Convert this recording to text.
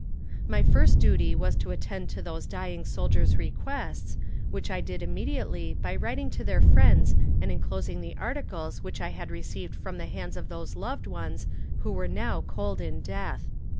My first duty was to attend to those dying soldiers' requests, which I did immediately by writing to their friends and inclosing the articles which I had received from the hands of those loved ones who were now cold in death.